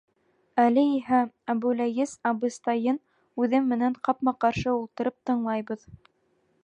Әле иһә Әбүләйес абыстайын үҙе менән ҡапма-ҡаршы ултырып тыңлайбыҙ: